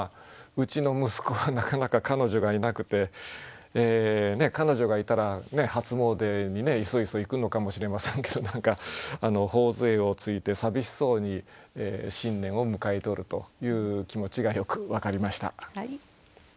うちの息子がなかなか彼女がいなくて彼女がいたら初詣にいそいそ行くのかもしれませんけど何か頬杖をついて寂しそうに新年を迎えておるという気持ちがよく分かりました。